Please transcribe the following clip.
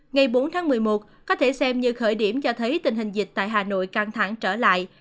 ngày bốn tháng một mươi một có thể xem như khởi điểm cho thấy tình hình dịch tại hà nội căng thẳng trở lại